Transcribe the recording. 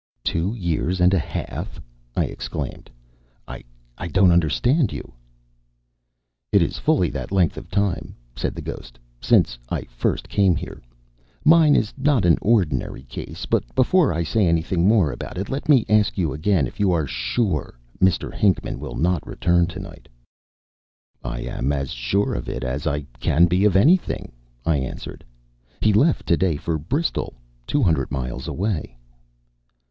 "Two years and a half!" I exclaimed. "I don't understand you." "It is fully that length of time," said the ghost, "since I first came here. Mine is not an ordinary case. But before I say anything more about it, let me ask you again if you are sure Mr. Hinckman will not return to night." "I am as sure of it as I can be of anything," I answered. "He left to day for Bristol, two hundred miles away."